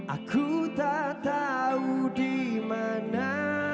aku tak tahu dimana